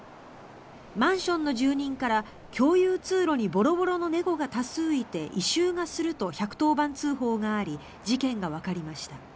マンションの住人から共有通路にボロボロの猫が多数いて異臭がすると１１０番通報があり事件がわかりました。